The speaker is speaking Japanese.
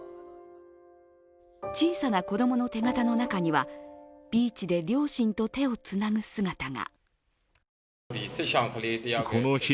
小さな子供の手形の中にはビーチで両親と手をつなぐ姿が。